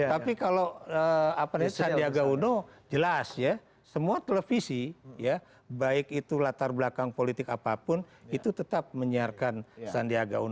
tapi kalau sandiaga uno jelas ya semua televisi ya baik itu latar belakang politik apapun itu tetap menyiarkan sandiaga uno